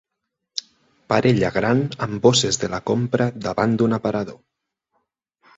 Parella gran amb bosses de la compra davant d'un aparador.